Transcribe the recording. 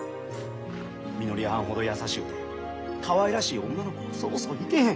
みのりはんほど優しゅうてかわいらしい女の子はそうそういてへん。